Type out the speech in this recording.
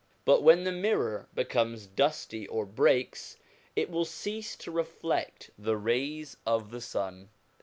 But when the mirror becomes dusty or breaks, it will cease to reflect the rays of the sun.